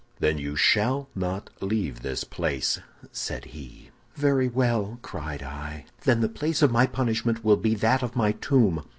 "'Then you shall not leave this place,' said he. "'Very well,' cried I, 'then the place of my punishment will be that of my tomb.